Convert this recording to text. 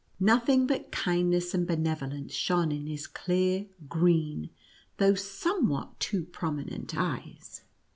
Nothing but kindness and benevolence shone in his clear green, though somewhat too prominent eyes.